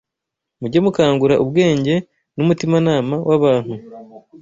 Mujye mukangura ubwenge n’umutimanama w’abantu